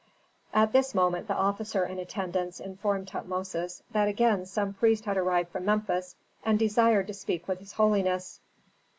At this moment the officer in attendance informed Tutmosis that again some priest had arrived from Memphis, and desired to speak with his holiness.